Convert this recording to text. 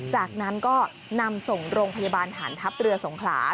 จากนั้นก็นำส่งโรงพยาบาลฐานทัพเรือสงขลา